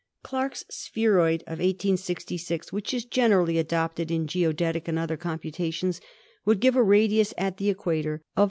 Clarke's spheroid of 1866, which is generally adopted in geodetic and other computations, would give a radius at the equator of 3,963.